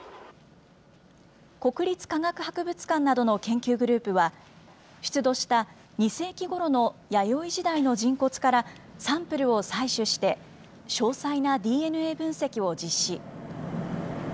国立科学博物館などの研究グループは、出土した２世紀ごろの弥生時代の人骨からサンプルを採取して、詳細なＤＮＡ分析を実施。